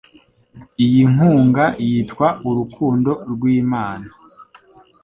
Iyi nkunga yitwa urukundo rw'Imana